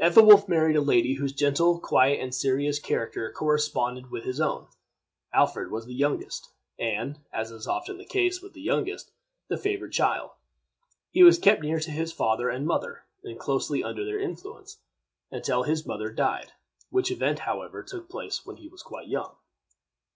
Ethelwolf married a lady whose gentle, quiet, and serious character corresponded with his own. Alfred was the youngest, and, as is often the case with the youngest, the favorite child. He was kept near to his father and mother, and closely under their influence, until his mother died, which event, however, took place when he was quite young.